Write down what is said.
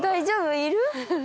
いる？